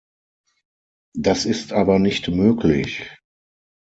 Das ist aber nicht möglich.